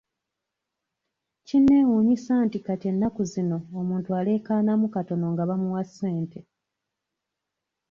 Kinnewunyisa nti kati ennaku zino omuntu aleekanamu katono nga bamuwa ssente.